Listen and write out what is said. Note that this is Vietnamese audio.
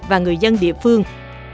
và người dân địa phương